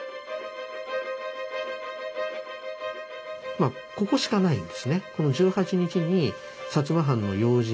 まあここしかないんですね。